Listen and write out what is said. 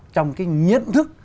trong cái nhận thức